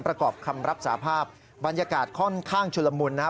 ประกอบคำรับสาภาพบรรยากาศค่อนข้างชุลมุนนะครับ